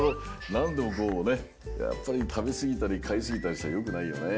なんでもこうねやっぱりたべすぎたりかいすぎたりしたらよくないよね。